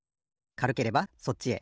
かるければそっちへ。